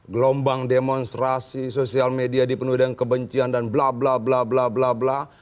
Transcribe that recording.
gelombang demonstrasi sosial media dipenuhi dengan kebencian dan bla bla bla bla bla bla